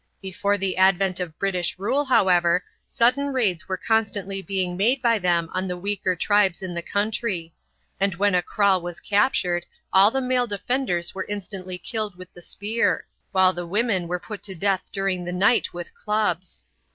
Before the advent of British rule, however, sudden raids were constantly being made by them on the weaker tribes in the country; and when a kraal was captured all the male defenders were instantly killed with the spear, while the women were put to death during the night with clubs.